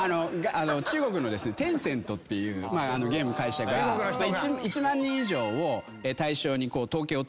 中国のテンセントっていうゲームの会社が１万人以上を対象に統計を取ってですね。